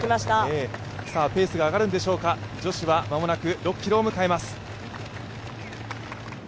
ペースが挙がるんでしょうか女子は間もなく６ｋｍを迎えます。